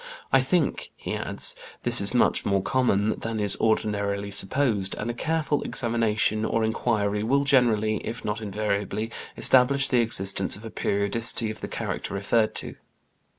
I think," he adds, "this is much more common than is ordinarily supposed, and a careful examination or inquiry will generally, if not invariably, establish the existence of a periodicity of the character referred to."